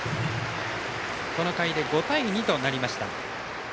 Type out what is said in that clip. この回で５対２となりました。